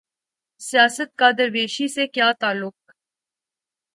سیاست کا درویشی سے کیا تعلق؟